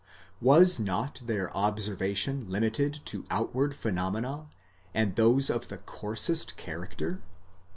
Was. not their observation limited to outward phenomena, and those of the coarsest character?